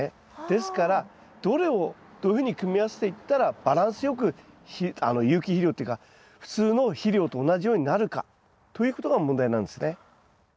ですからどれをどういうふうに組み合わせていったらバランスよく有機肥料っていうか普通の肥料と同じようになるかということが問題なんですね。